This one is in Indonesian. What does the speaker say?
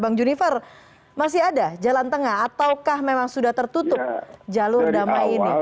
bang junifer masih ada jalan tengah ataukah memang sudah tertutup jalur damai ini